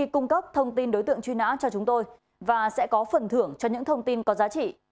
cung cấp thông tin đối tượng truy nã cho chúng tôi và sẽ có phần thưởng cho những thông tin có giá trị